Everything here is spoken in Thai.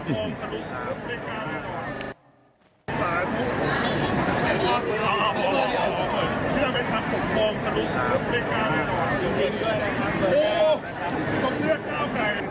ต้องเลือกก้าวไกล